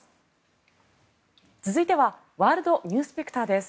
続いてはワールドニュースペクターです。